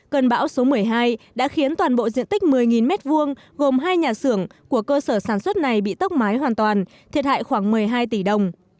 cơn bão số một mươi hai đã khiến toàn bộ diện tích một mươi m hai gồm hai nhà xưởng của cơ sở sản xuất này bị tốc mái hoàn toàn thiệt hại khoảng một mươi hai tỷ đồng